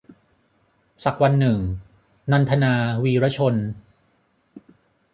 สักวันหนึ่ง - นันทนา วีระชน